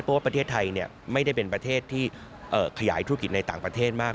เพราะว่าประเทศไทยไม่ได้เป็นประเทศที่ขยายธุรกิจในต่างประเทศมาก